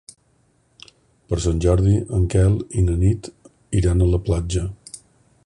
Per Sant Jordi en Quel i na Nit iran a la platja.